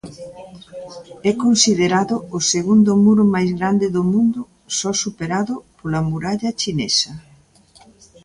É considerado o segundo muro máis grande do mundo, só superado pola Muralla Chinesa.